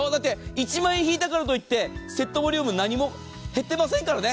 １万円引いたからといってセットボリューム何も減ってませんからね。